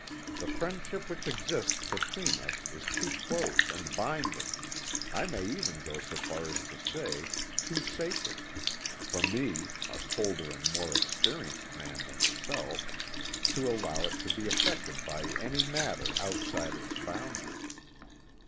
The friendship which exists between us is too close and binding I may even go so far as to say, too sacred for me, a colder and more experienced man than yourself, to allow it to be affected by any matter outside its boundary.